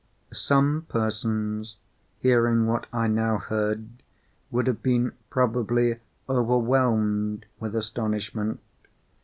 Some persons, hearing what I now heard, would have been probably overwhelmed with astonishment.